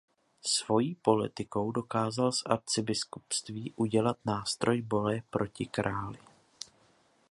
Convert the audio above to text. Svojí politikou dokázal z arcibiskupství udělat nástroj boje proti králi.